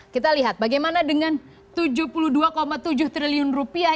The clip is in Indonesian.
kita lihat bagaimana dengan tujuh puluh dua tujuh triliun rupiah